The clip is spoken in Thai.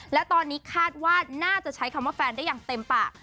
และตอนนี้คาดว่าน่าจะใช้คำว่าแฟนได้อย่างเต็มปาก